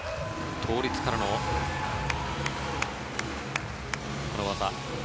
倒立からのこの技。